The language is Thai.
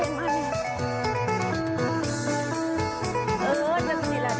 เอาแบบนี้ก็ดีนะยายดาว